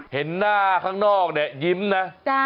เห็นน่าขางนอกยิ้มนะ